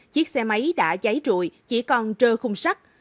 chiếc xe máy đã cháy rụi chỉ còn trơ khung sắt